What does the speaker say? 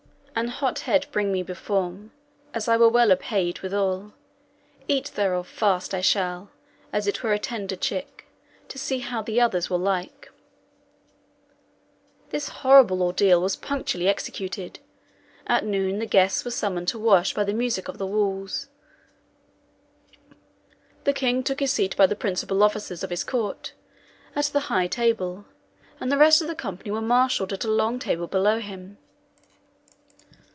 "'An hot head bring me beforn, As I were well apayed withall, Eat thereof fast I shall; As it were a tender chick, To see how the others will like.' "This horrible order was punctually executed. At noon the guests were summoned to wash by the music of the waits. The king took his seat attended by the principal officers of his court, at the high table, and the rest of the company were marshalled at a long table below him.